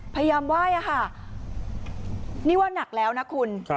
พยายามไหว้อะค่ะนี่ว่านักแล้วนะคุณ